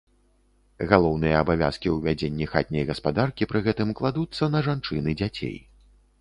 Галоўныя абавязкі ў вядзенні хатняй гаспадаркі пры гэтым кладуцца на жанчын і дзяцей.